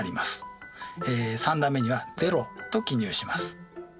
３段目には０と記入します。